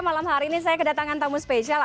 malam hari ini saya kedatangan tamu spesial